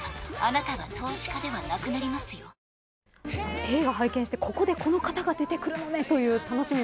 映画拝見してここでこの方が出てくるのねという楽しみも。